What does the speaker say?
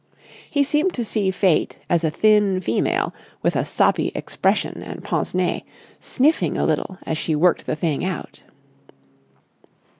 He seemed to see Fate as a thin female with a soppy expression and pince nez, sniffing a little as she worked the thing out.